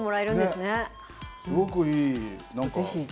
すごくいい、なんか。